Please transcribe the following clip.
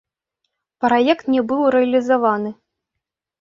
Праект не быў рэалізаваны.